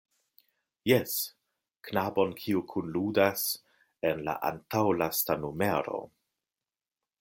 Jes, knabon, kiu kunludas en la antaŭlasta numero.